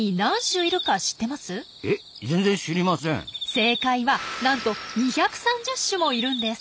正解はなんと２３０種もいるんです。